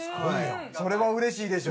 それはうれしいでしょ。